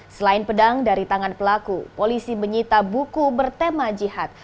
selain pedang dari tangan pelaku polisi menyita buku bertema jihad